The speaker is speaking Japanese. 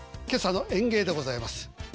今朝の演芸でございます。